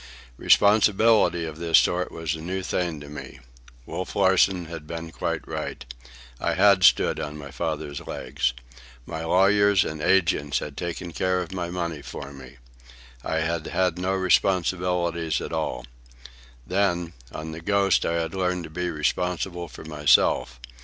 Responsibility of this sort was a new thing to me. Wolf Larsen had been quite right. I had stood on my father's legs. My lawyers and agents had taken care of my money for me. I had had no responsibilities at all. Then, on the Ghost I had learned to be responsible for myself.